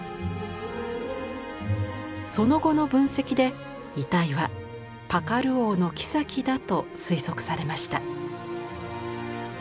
その後の分析で遺体はパカル王のきさきだと推測されました。